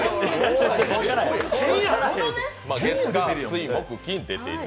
月火水木金、出てる。